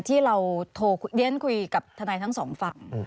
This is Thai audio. ที่เราโทรเรียนคุยกับทนายทั้งสองฝั่ง